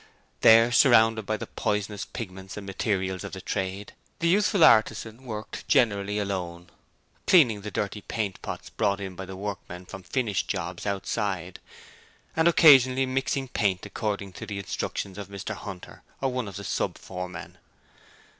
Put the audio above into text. There, surrounded by the poisonous pigments and materials of the trade, the youthful artisan worked, generally alone, cleaning the dirty paint pots brought in by the workmen from finished 'jobs' outside, and occasionally mixing paint according to the instructions of Mr Hunter, or one of the sub foremen.